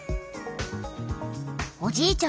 おじいちゃん